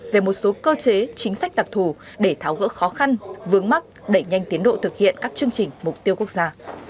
về một số cơ chế chính sách đặc thù để tháo gỡ khó khăn vướng mắt đẩy nhanh tiến độ thực hiện các chương trình mục tiêu quốc gia